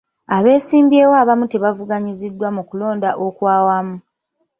Abeesimbyewo abamu tebavuganyiziddwa mu kulonda okwa wamu.